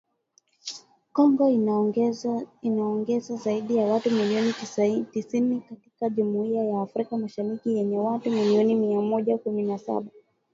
Kongo inaongeza zaidi ya watu milioni tisini katika Jumuiya ya Afrika Mashariki yenye watu milioni mia moja kumi na saba